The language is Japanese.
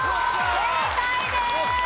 正解です。